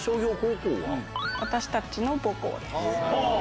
私たちの母校です。